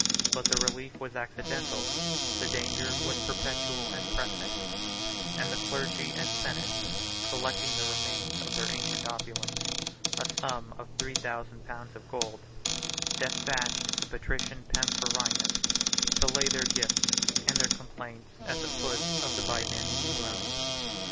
But the relief was accidental, the danger was perpetual and pressing; and the clergy and senate, collecting the remains of their ancient opulence, a sum of three thousand pounds of gold, despatched the patrician Pamphronius to lay their gifts and their complaints at the foot of the Byzantine throne.